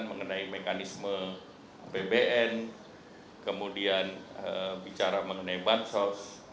mengenai mekanisme apbn kemudian bicara mengenai bansos